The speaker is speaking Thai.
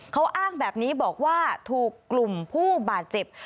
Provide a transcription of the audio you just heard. เขาอ้างแบบนี้บอกว่าถูกกลุ่มผู้บาดเจ็บ